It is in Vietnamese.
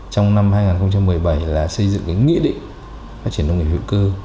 trong năm hai nghìn một mươi bảy là xây dựng cái nghĩa định phát triển nông nghiệp hữu cơ